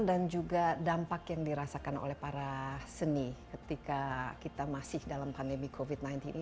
dan juga dampak yang dirasakan oleh para seni ketika kita masih dalam pandemi covid sembilan belas ini